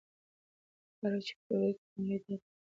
هغه هلک چې په ټولګي کې لومړی دی ډېر لایق دی.